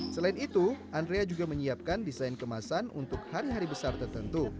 selain itu andrea juga menyiapkan desain kemasan untuk hari hari besar tertentu